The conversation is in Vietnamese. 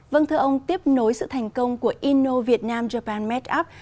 vâng thưa ông tiếp nối sự thành công của innovietnamjapanmetup